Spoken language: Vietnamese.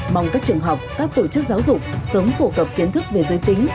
mong các trường học các tổ chức giáo dục sớm phổ cập kiến thức về giới tính